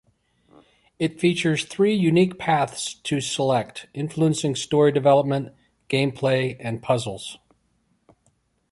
It features three unique paths to select, influencing story development, gameplay and puzzles.